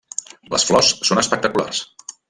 Les flors són espectaculars.